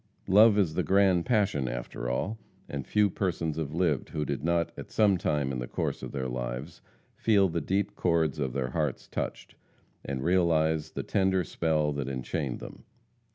Love is the grand passion after all, and few persons have lived who did not at some time in the course of their lives feel the deep chords of their hearts touched, and realize the tender spell that enchained them.